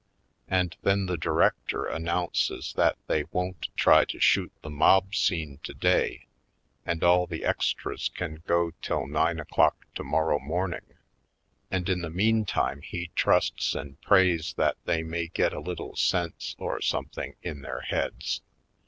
And then the director an nounces that they won't try to shoot the mob scene today and all the extras can go till nine o'clock tomorrow morning, and in the meantime he trusts and prays that they may get a little sense or something in their heads.